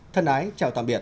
thân ái chào tạm biệt